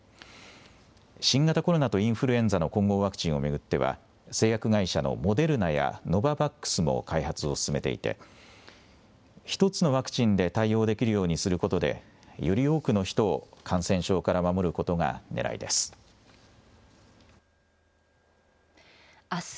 新型コロナとインフルエンザの混合ワクチンを巡っては、製薬会社のモデルナやノババックスも開発を進めていて、１つのワクチンで対応できるようにすることで、より多くの人を感染症から守ることがねらいです。